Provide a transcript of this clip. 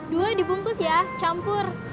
dua dipungkus ya campur